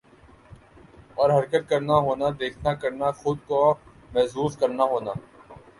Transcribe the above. اور حرکت کرنا ہونا دیکھنا کرنا خود کو محظوظ کرنا ہونا